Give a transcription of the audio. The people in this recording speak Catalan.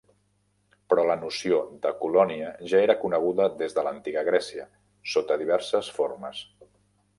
Però la noció de colònia ja era coneguda des de l'Antiga Grècia, sota diverses formes.